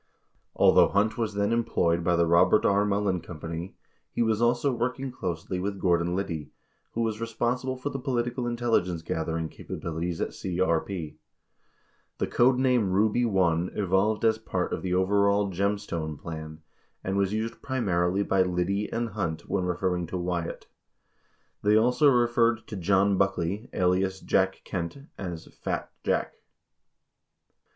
Although Hunt was then employed by the Robert R. Mullen Com pany, he was also working closely with Gordon Liddy, who was re sponsible for the political intelligence gathering capabilities at CRP. 31 The code name "Ruby I" evolved as part of the overall "Gem stone" plan, and was used primarily by Liddy and Hunt when referring to Wyatt. They also referred to John Buckley, alias Jack Kent, as "Fat Jack."